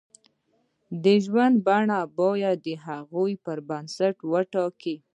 د ژوند بڼه باید د هغو پر بنسټ وټاکي.